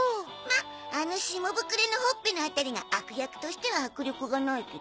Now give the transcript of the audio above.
まっあの下ぶくれのほっぺの辺りが悪役としては迫力がないけど。